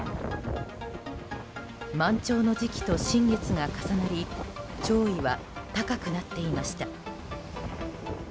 満潮の時期と新月が重なり潮位は高くなっていました。